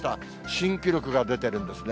新記録が出てるんですね。